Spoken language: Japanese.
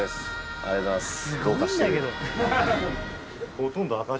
ありがとうございます。